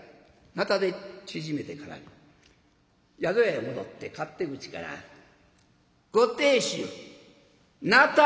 なたで縮めてからに宿屋へ戻って勝手口から「ご亭主なた